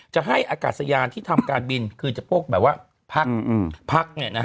จะให้อากาศยานที่ทำการบินคือจะพวกแบบว่าพัก